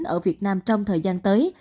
ở việt nam trong thời gian tới